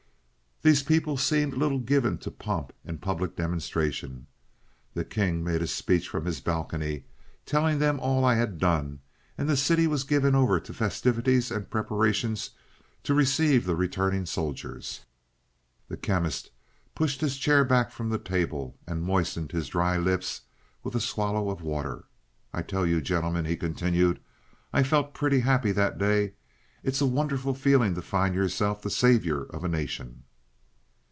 These people seemed little given to pomp and public demonstration. The king made a speech from his balcony, telling them all I had done, and the city was given over to festivities and preparations to receive the returning soldiers." The Chemist pushed his chair back from the table, and moistened his dry lips with a swallow of water. "I tell you, gentlemen," he continued, "I felt pretty happy that day. It's a wonderful feeling to find yourself the savior of a nation."